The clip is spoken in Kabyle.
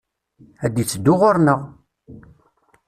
Ad d-itteddu ɣur-nneɣ!